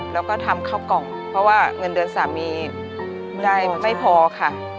แล้วก็ทำข้าวกล่องเพราะว่าเงินเดือนสามีได้ไม่พอค่ะ